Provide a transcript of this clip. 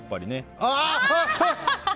ああ！